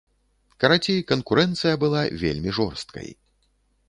Карацей, канкурэнцыя была вельмі жорсткай.